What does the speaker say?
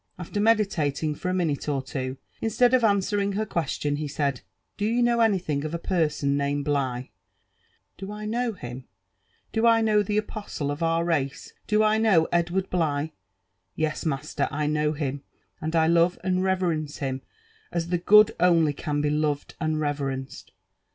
After medilaling for a minute or two, instead of answer ing her question, he said, " Do you know anything of a person named Blighr '* Do I know him ? <^do I know the apostle of our race? — do I know Edward BlighT — ^Yes, master I I know him, and I love and reverence him as the good only can be loved and reverenced.